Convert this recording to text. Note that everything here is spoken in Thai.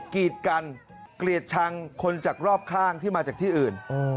กีดกันเกลียดชังคนจากรอบข้างที่มาจากที่อื่น